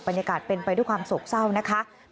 บรรยากาศเป็นไปด้วยความโศกเศร้านะคะ